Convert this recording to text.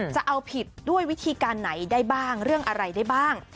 จะเอาผิดด้วยวิธีการไหนได้บ้างเรื่องอะไรได้บ้าง